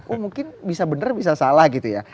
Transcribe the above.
oh mungkin bisa benar bisa salah gitu ya